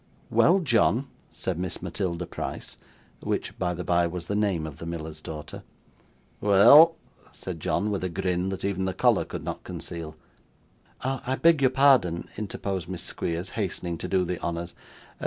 'Well, John,' said Miss Matilda Price (which, by the bye, was the name of the miller's daughter). 'Weel,' said John with a grin that even the collar could not conceal. 'I beg your pardon,' interposed Miss Squeers, hastening to do the honours.